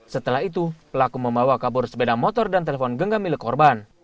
setelah itu pelaku membawa kabur sepeda motor dan telepon genggam milik korban